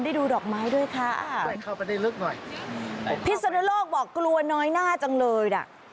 ดูดอกไม้ด้วยค่ะช่วยเข้าไปได้ลึกหน่อยพิศนุโลกบอกกลัวน้อยหน้าจังเลยน่ะ